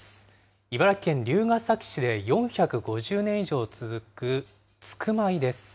茨城県龍ケ崎市で４５０年以上続く撞舞です。